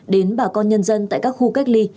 đến bà con nhân dân tại các khu cách ly